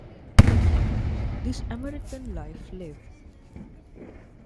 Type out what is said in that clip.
This American Life Live!